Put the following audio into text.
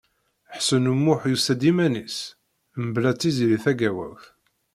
Ḥsen U Muḥ yusa-d iman-is, mebla Tiziri Tagawawt.